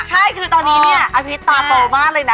ใช่คือตอนนี้เนี่ยอาทิตย์ตาโตมากเลยนะ